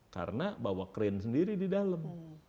karena bawa krain sendiri di dalam